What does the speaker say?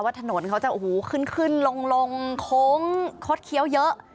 ว่าถนนเขาจะขึ้นลงโค้งคดเคี้ยวเยอะ